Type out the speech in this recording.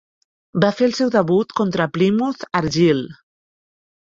Va fer el seu debut contra Plymouth Argyle.